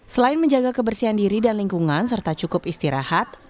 selain menjaga kebersihan diri dan lingkungan serta cukup istirahat